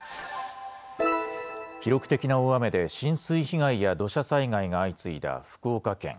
記録的な大雨で、浸水被害や土砂災害が相次いだ福岡県。